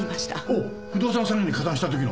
おっ不動産詐欺に加担した時の？